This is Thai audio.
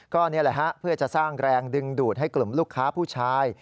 ก็นี่แหละฮะเพื่อจะสร้างแรงดึงดูดให้กลุ่มลูกค้าผู้ชาย